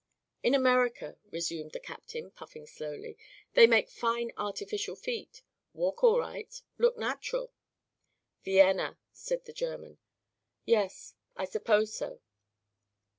"In America," resumed the captain, puffing slowly, "they make fine artificial feet. Walk all right. Look natural." "Vienna," said the German. "Yes, I suppose so."